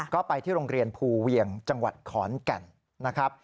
ก็ไปที่โรงเรียนภูเวียงจังหวัดขอนแก่นนะครับ